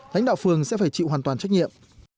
lãnh đạo phường sẽ phải chịu hoàn toàn trách nhiệm